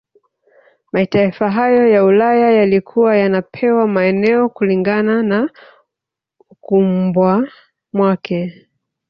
Mataifa hayo ya Ulaya yalikuwa yanapewa maeneo kilingana na ukubwamwake